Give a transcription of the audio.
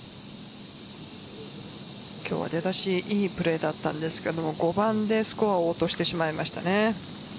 今日は出だしいいプレーだったんですけど５番でスコアを落としてしまいましたね。